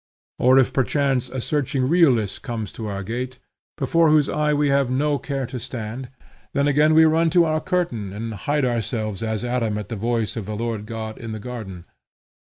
Or if perchance a searching realist comes to our gate, before whose eye we have no care to stand, then again we run to our curtain, and hide ourselves as Adam at the voice of the Lord God in the garden.